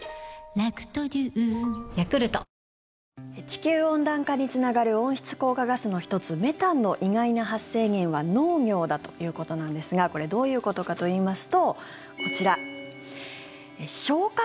地球温暖化につながる温室効果ガスの１つ、メタンの意外な発生源は農業だということなんですがこれどういうことかといいますとこちら、消化